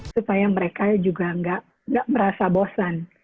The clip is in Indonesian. supaya mereka juga nggak merasa bosan